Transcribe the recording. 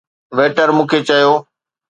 waiter مون کي چيو